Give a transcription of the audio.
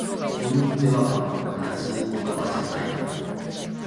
こんにちはは悲しい言葉じゃない